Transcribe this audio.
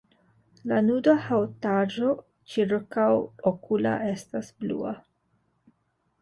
La nuda haŭtaĵo ĉirkaŭokula estas blua.